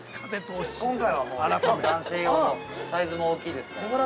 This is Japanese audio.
◆今回は、もう男性用のサイズも大きいですから。